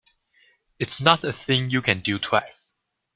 It's not a thing you can do twice.